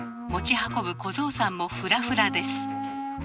持ち運ぶ小僧さんもフラフラです。